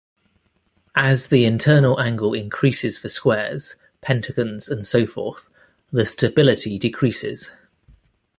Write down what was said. As the internal angle increases for squares, penatagons and so forth, the stability decreases.